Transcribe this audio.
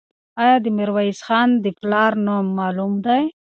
آیا د میرویس خان د پلار نوم معلوم دی؟